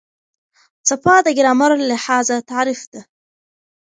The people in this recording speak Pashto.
څپه د ګرامر لحاظه تعریف ده.